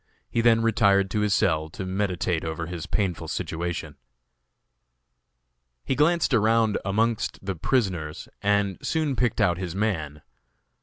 He then retired to his cell to meditate over his painful situation. He glanced around amongst the prisoners, and soon picked out his man.